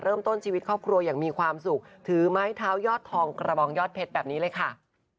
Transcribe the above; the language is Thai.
เริ่มต้นชีวิตครอบครัวอย่างมีความสุขถือไม้เท้ายอดทองกระบองยอดเพชรแบบนี้เลยค่ะ